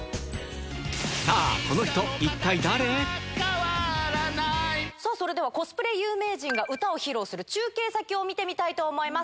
さあ、この人、それでは、コスプレ有名人が歌を披露する中継先を見てみたいと思います。